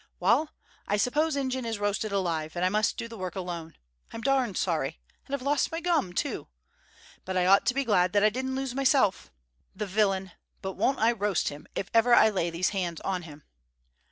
"Wal, I suppose Ingen is roasted alive, and I must do the work alone. I'm darn sorry. And I've lost my gun, too. But I ought to be glad that I didn't lose myself. The villain, but won't I roast him if ever I lay these hands on him!"